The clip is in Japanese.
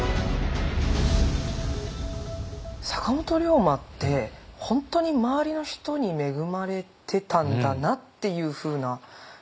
坂本龍馬って本当に周りの人に恵まれてたんだなっていうふうな気持ちになりましたね。